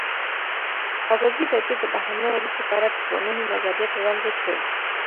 ازادي راډیو د بهرنۍ اړیکې په اړه د ځوانانو نظریات وړاندې کړي.